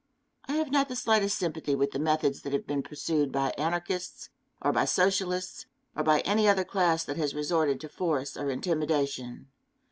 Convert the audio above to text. I have not the slightest sympathy with the methods that have been pursued by Anarchists, or by Socialists, or by any other class that has resorted to force or intimidation.